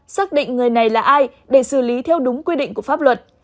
xác định người này là ai để xử lý theo đúng quy định của pháp luật